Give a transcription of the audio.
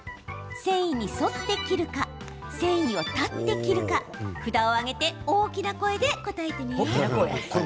繊維に沿って切るか繊維を断って切るか札を上げて大きな声で答えてね。